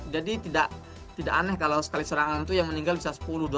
jadi tidak aneh kalau sekali serangan itu yang meninggal bisa sepuluh dua puluh